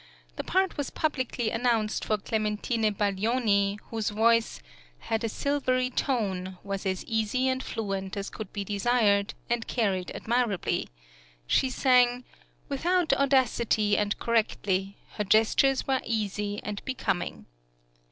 The part was publicly announced for Clementine Baglioni, whose voice "had a silvery tone, was as easy and fluent as could be desired, and carried admirably"; she sang "without audacity and correctly; her gestures were easy and becoming."